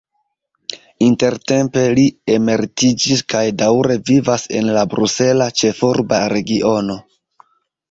Intertempe li emeritiĝis kaj daŭre vivas en la Brusela Ĉefurba Regiono.